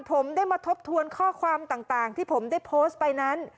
ผมได้มาทบทวนข้อความต่างที่ผมได้โพสต์ไปนั้น